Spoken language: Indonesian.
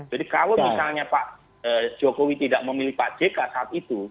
jadi kalau misalnya pak jokowi tidak memilih pak jk saat itu kemungkinan besar pak jk akan menang